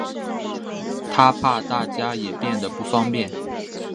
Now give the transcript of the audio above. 她怕大家也变得不方便